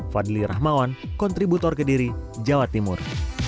fadli rahmawan kontributor ke diri jawa timur